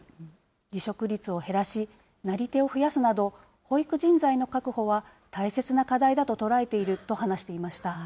離職率を減らし、なり手を増やすなど、保育人材の確保は大切な課題だと捉えていると話していました。